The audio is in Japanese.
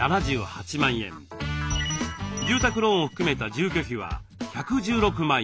住宅ローンを含めた住居費は１１６万円。